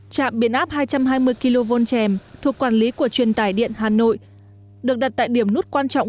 trạm biến áp hai trăm hai mươi kv chèm thuộc quản lý của truyền tải điện hà nội được đặt tại điểm nút quan trọng